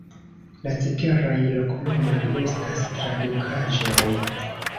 La ceteraj loknomoj estas tradukaĵoj.